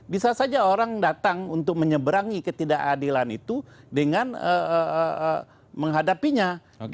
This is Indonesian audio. bisa saja orang datang untuk menyeberangi ketidakadilan itu dengan menghadapinya